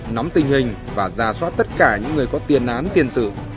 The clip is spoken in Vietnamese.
nắm tình hình và ra soát tất cả những người có tiền án tiền sự